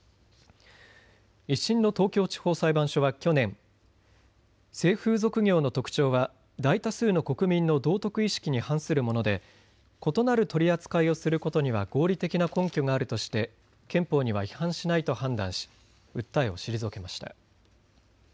１審の東京地方裁判所は去年、性風俗業の特徴は大多数の国民の道徳意識に反するもので異なる取り扱いをすることには合理的な根拠があるとして憲法には違反しないと判断し訴えを退けました。